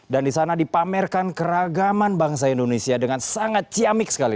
dan di sana dipamerkan keragaman bangsa indonesia dengan sangat ciamik sekali